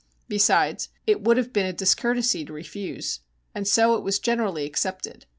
Besides, it would have been a discourtesy to refuse. And so it was generally accepted.